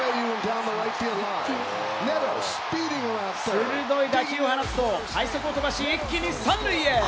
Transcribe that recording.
鋭い打球を放つと快足を飛ばし、一気に３塁へ。